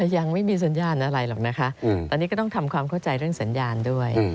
ยังไม่มีสัญญาณอะไรหรอกนะคะตอนนี้ก็ต้องทำความเข้าใจเรื่องสัญญาณด้วย